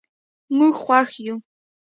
موږ خوښ یو.